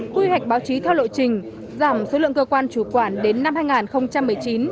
quy hoạch báo chí theo lộ trình giảm số lượng cơ quan chủ quản đến năm hai nghìn một mươi chín